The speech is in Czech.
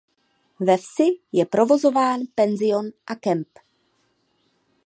Ve vsi je provozován penzion a kemp.